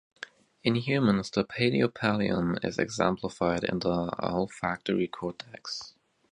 In humans the paleopallium is exemplified in the olfactory cortex.